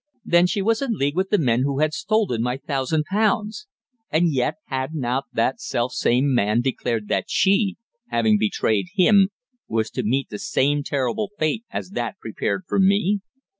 Then she was in league with the men who had stolen my thousand pounds! And yet had not that selfsame man declared that she, having betrayed him, was to meet the same terrible fate as that prepared for me?